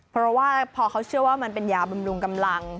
เพราะว่าพอเขาเชื่อว่ามันเป็นยาบำรุงกำลัง